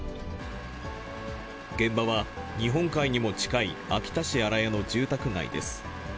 現場は日本海にも近い秋田市新屋の住宅街です。